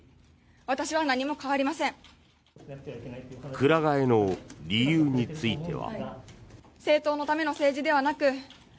くら替えの理由については。